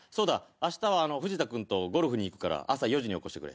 明日はフジタ君とゴルフに行くから朝４時に起こしてくれ。